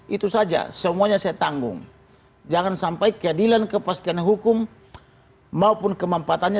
itu saja semuanya saya tanggung jangan sampai keadilan kepastian hukum maupun kemampatannya